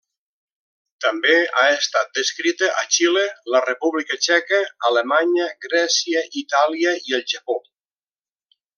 També ha estat descrita a Xile, la República Txeca, Alemanya, Grècia, Itàlia i el Japó.